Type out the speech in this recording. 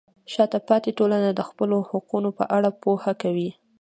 شاته پاتې ټولنه د خپلو حقونو په اړه پوهه کوي.